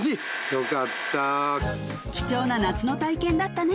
よかった貴重な夏の体験だったね